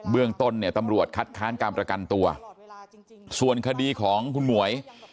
เรื่องต้นเนี่ยตำรวจคัดค้านการประกันตัวส่วนคดีของคุณหมวย